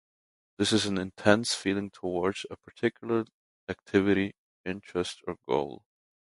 It is an intense feeling towards a particular activity, interest, or goal.